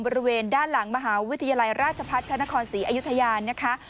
บริเวณด้านหลังมหาวิทยาลัยราชพัฒน์พระนครศรีอยุธยานะคะ